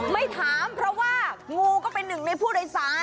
ไม่ถามเพราะว่างูก็เป็นหนึ่งในผู้โดยสาร